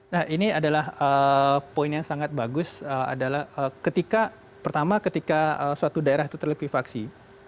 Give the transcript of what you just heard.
nah ini adalah poin yang sangat bagus adalah ketika pertama ketika suatu daerah itu terlekuifaksi